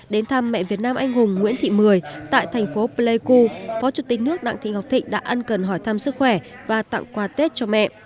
đến thăm mẹ việt nam anh hùng nguyễn thị mười tại thành phố pleiku phó chủ tịch nước đặng thị ngọc thịnh đã ân cần hỏi thăm sức khỏe và tặng quà tết cho mẹ